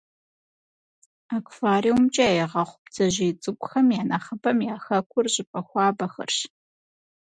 Аквариумкӏэ ягъэхъу бдзэжьей цӏыкӏухэм я нэхъыбэм я хэкур щӏыпӏэ хуабэхэрщ.